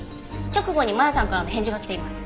直後に真弥さんからの返事が来ています。